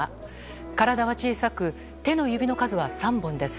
体は小さく手の指の数は３本です。